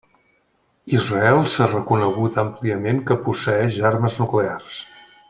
Israel s'ha reconegut àmpliament que posseeix armes nuclears.